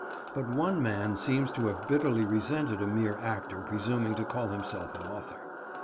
But one man seems to have bitterly resented a mere actor presuming to call himself an author.